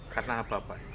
karena apa pak